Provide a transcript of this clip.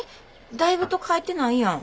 だいぶと帰ってないやん。